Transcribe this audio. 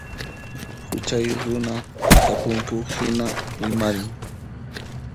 Huchayuq runa tapunku hina rimarin.